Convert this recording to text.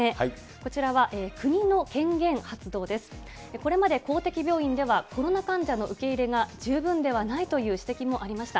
これまで公的病院では、コロナ患者の受け入れが十分ではないという指摘もありました。